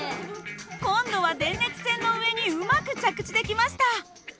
今度は電熱線の上にうまく着地できました。